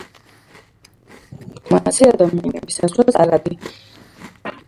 მთაზე ადამიანების ასვლას არგენტინის ეროვნული პარკებისა და ეროვნული ჟანდარმერიის მენეჯმენტი არეგულირებს.